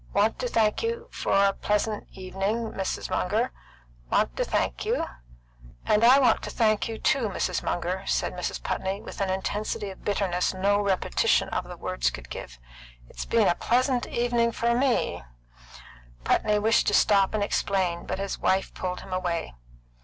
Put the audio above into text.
"Want to thank you for a pleasant evening, Mrs. Munger want to thank you " "And I want to thank you too, Mrs. Munger," said Mrs. Putney, with an intensity of bitterness no repetition of the words could give, "It's been a pleasant evening for me!" Putney wished to stop and explain, but his wife pulled him away.